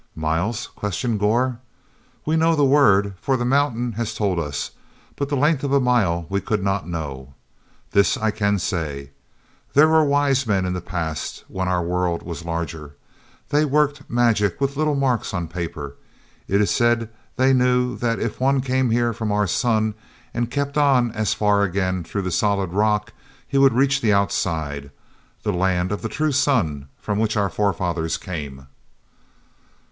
"Miles?" questioned Gor. "We know the word, for the Mountain has told us, but the length of a mile we could not know. This I can say: there were wise men in the past when our own world was larger. They worked magic with little marks on paper. It is said that they knew that if one came here from our sun and kept on as far again through the solid rock, he would reach the outside—the land, of the true sun, from which our forefathers came."